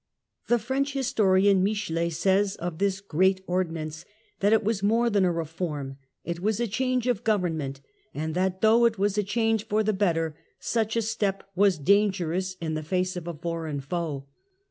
The French historian Michelet says of this Great Ordinance, that it was more than a reform, it was a change of government ; and that though it w^as a change for the better, such a step was dangerous in the face of a foreign foe.